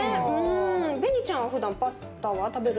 ベニちゃんはふだんパスタは食べる？